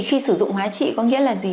khi sử dụng hóa trị có nghĩa là gì